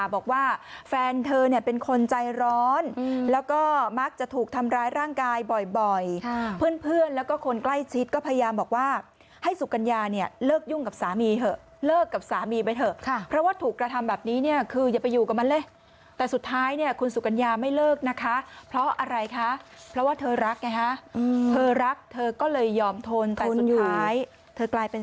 บอกว่าแฟนเธอเนี่ยเป็นคนใจร้อนแล้วก็มักจะถูกทำร้ายร่างกายบ่อยเพื่อนแล้วก็คนใกล้ชิดก็พยายามบอกว่าให้สุกัญญาเนี่ยเลิกยุ่งกับสามีเถอะเลิกกับสามีไปเถอะเพราะว่าถูกกระทำแบบนี้เนี่ยคืออย่าไปอยู่กับมันเลยแต่สุดท้ายเนี่ยคุณสุกัญญาไม่เลิกนะคะเพราะอะไรคะเพราะว่าเธอรักไงฮะเธอรักเธอก็เลยยอมทนแต่สุดท้ายเธอกลายเป็น